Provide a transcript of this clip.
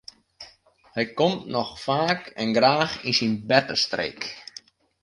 Hy komt noch faak en graach yn syn bertestreek.